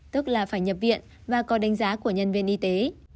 tức là phải nhập viện và có đánh giá của nhân viên y tế